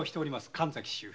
神崎周平。